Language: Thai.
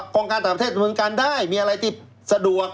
กองการต่างประเทศดำเนินการได้มีอะไรที่สะดวก